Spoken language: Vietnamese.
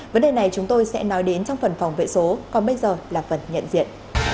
vấn đề này chúng tôi sẽ nói đến trong phần phòng vệ số còn bây giờ là phần nhận diện